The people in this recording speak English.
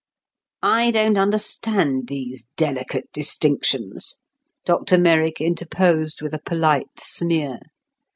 "I don't understand these delicate distinctions," Dr Merrick interposed with a polite sneer.